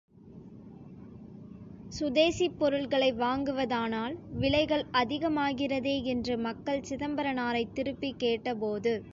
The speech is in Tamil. சுதேசிப் பொருள்களை வாங்குவதானால் விலைகள் அதிகமாகிறதே என்று மக்கள் சிதம்பரனாரைத் திருப்பிக் கேட்ட போது.